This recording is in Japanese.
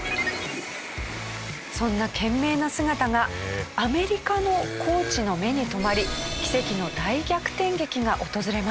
そんな懸命な姿がアメリカのコーチの目に留まり奇跡の大逆転劇が訪れます。